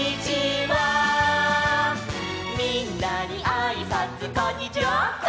「あーぷんにあいさつ」「こんにちは」